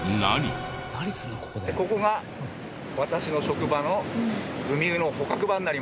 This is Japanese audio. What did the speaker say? ここが私の職場の。捕獲？